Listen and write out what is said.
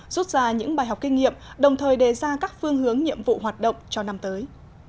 rút ra những bài học kinh nghiệm đồng thời đề ra các phương hướng nhiệm vụ hoạt động cho năm tới